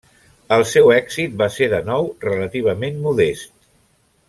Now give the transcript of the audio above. El seu èxit va ser de nou relativament modest.